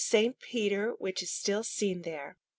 Peter which is still seen there.